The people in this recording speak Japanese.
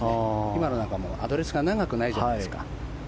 今のなんかもアドレスが長くないじゃないですか。